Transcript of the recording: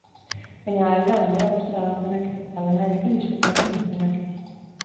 Baina badira lanera gustora doazenak ere, eta lanarekin disfrutatzen dutenak ere.